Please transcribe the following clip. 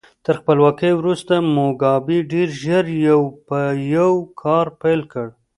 تر خپلواکۍ وروسته موګابي ډېر ژر یو په یو کار پیل کړ.